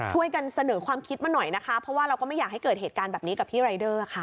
ช่วยกันเสนอความคิดมาหน่อยนะคะเพราะว่าเราก็ไม่อยากให้เกิดเหตุการณ์แบบนี้กับพี่รายเดอร์ค่ะ